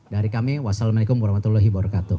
dari kami ⁇ wassalamualaikum warahmatullahi wabarakatuh